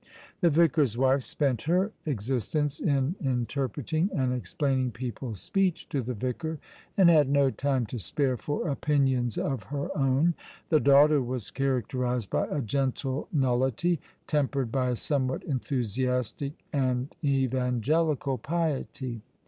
The vicar's wife spent her existence in interpreting and explain ing people's speech to the vicar, and had no time to spare for opinions of her own. The daughter was characterized by a gentle nullity, tempered by a somewhat enthusiastic and evangelical piety.